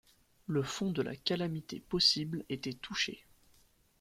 Le fond de la calamité possible était touché.